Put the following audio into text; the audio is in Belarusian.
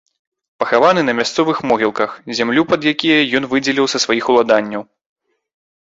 Пахаваны на мясцовых могілках, зямлю пад якія ён выдзеліў са сваіх уладанняў.